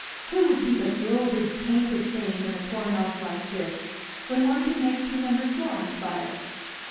Who would keep a gilded, painted thing in a poor house like this, when one can make two hundred florins by it?